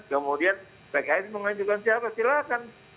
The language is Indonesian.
kemudian pks mengajukan siapa silakan